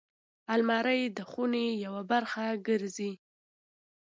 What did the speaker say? الماري د خونې یوه برخه ګرځي